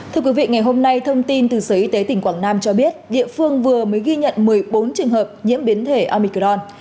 thưa quý vị ngày hôm nay thông tin từ sở y tế tỉnh quảng nam cho biết địa phương vừa mới ghi nhận một mươi bốn trường hợp nhiễm biến thể armicron